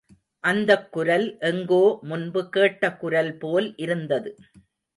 அந்தக் குரல் எங்கோ முன்பு கேட்ட குரல் போல் இருந்தது.